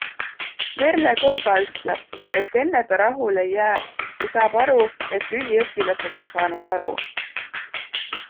Merle Kolga ütleb, et enne ta rahule ei jää, kui saab aru, et üliõpilased on saanud aru.